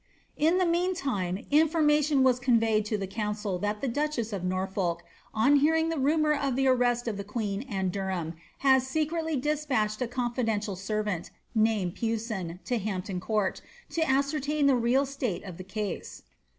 In the meantime, information was conveyed to the council that the duchess of Norfolk, on hearing the rumour of the arrest of the queen and Derham, had secretly despatched a confidential servant, named Pewson, to Hampton Court, to ascertain the real slate of tiie case.